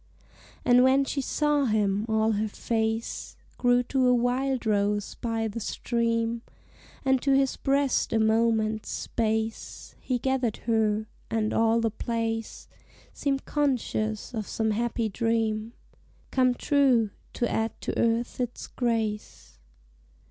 And when she saw him, all her face Grew to a wildrose by the stream; And to his breast a moment's space He gathered her; and all the place Seemed conscious of some happy dream Come true to add to Earth its grace.